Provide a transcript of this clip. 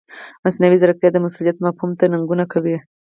مصنوعي ځیرکتیا د مسؤلیت مفهوم ته ننګونه کوي.